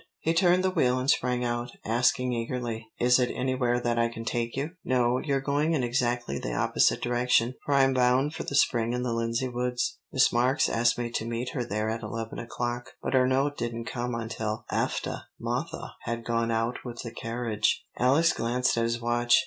He turned the wheel and sprang out, asking eagerly, "Is it anywhere that I can take you?" "No, you're going in exactly the opposite direction, for I'm bound for the spring in the Lindsey woods. Miss Marks asked me to meet her there at eleven o'clock, but her note didn't come until aftah mothah had gone out with the carriage." Alex glanced at his watch.